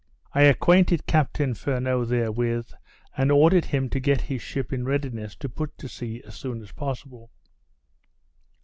I acquainted Captain Furneaux therewith, and ordered him to get his ship in readiness to put to sea as soon as possible.